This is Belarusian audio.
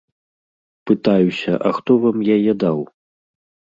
Пытаюся, а хто вам яе даў?